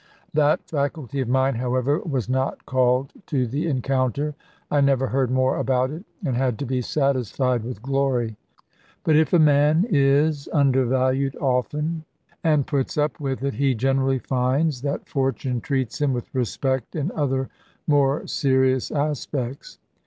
That faculty of mine, however, was not called to the encounter: I never heard more about it, and had to be satisfied with glory. But if a man is undervalued often, and puts up with it, he generally finds that fortune treats him with respect in other more serious aspects.